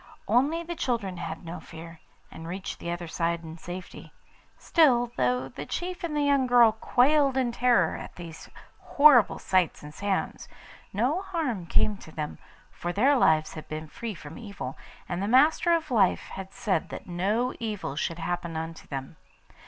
Only the children had no fear, and reached the other side in safety. Still, though the chief and the young girl quailed in terror at these horrible sights and sounds, no harm came to them, for their lives had been free from evil, and the Master of Life had said that no evil should happen unto them.